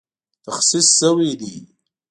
تخصیص شوې دي